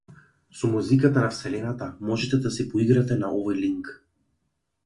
Со музиката на вселената можете да си поиграте на овој линк.